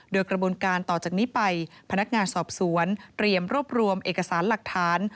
โดยกระบวนการต่อจากนี้ไปพนักงานสอบสวนเตรียมรวบรวมเอกสารหลักฐาน